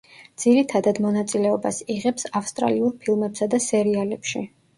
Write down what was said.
ძირითადად მონაწილეობას იღებს ავსტრალიურ ფილმებსა და სერიალებში.